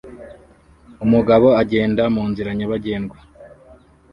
umugabo agenda munzira nyabagendwa